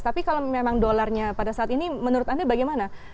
tapi kalau memang dolarnya pada saat ini menurut anda bagaimana